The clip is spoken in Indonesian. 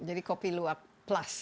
jadi kopi luwak plus